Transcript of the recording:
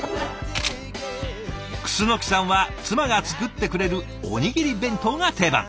楠さんは妻が作ってくれるおにぎり弁当が定番。